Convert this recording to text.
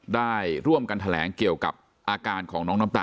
ได้ร่วมกันแถลงเกี่ยวกับอาการของน้องน้ำตาล